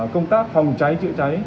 công tác phòng cháy chữa cháy